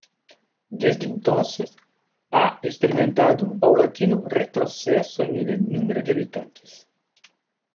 Desde entonces ha experimentado un paulatino retroceso en el número de habitantes.